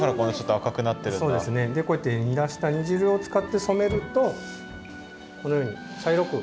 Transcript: こうやって煮出した煮汁を使って染めるとこのように茶色く。